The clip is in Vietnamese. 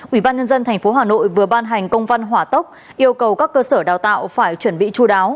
ủy ban nhân dân tp hà nội vừa ban hành công văn hỏa tốc yêu cầu các cơ sở đào tạo phải chuẩn bị chú đáo